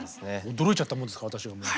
驚いちゃったもんですから私がもう。